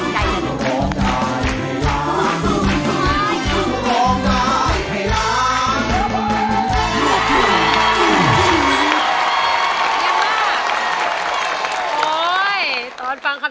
ได้ไหมครับ